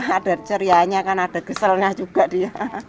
ada cerianya kan ada keselnya juga dia